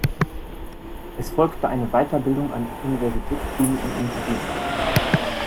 Es folgte eine Weiterbildung an Universitätskliniken in Paris.